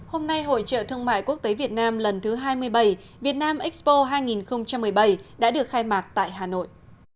hôm nay hội trợ thương mại quốc tế việt nam lần thứ hai mươi bảy việt nam expo hai nghìn một mươi bảy đã được khai mạc tại hà nội